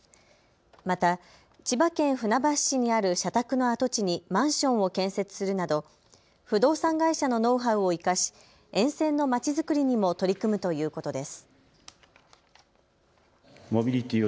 また千葉県船橋市にある社宅の跡地にマンションを建設するなど不動産会社のノウハウを生かして沿線のまちづくりにも取り組むということです。